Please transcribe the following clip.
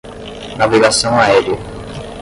Navegação aérea